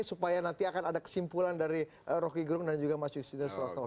supaya nanti akan ada kesimpulan dari proki groom dan juga mas yudhira selastawa